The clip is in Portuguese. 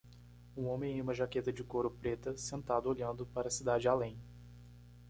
Um homem em uma jaqueta de couro preta sentado olhando para a cidade além.